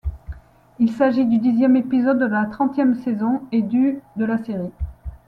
Il s'agit du dixième épisode de la trentième saison et du de la série.